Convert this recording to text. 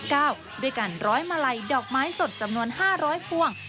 ด้วยการร้อยมาลัยดอกไม้สดจำนวน๕๐๐พ่วง